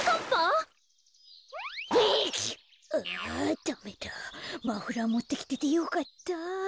ああダメだマフラーもってきててよかった。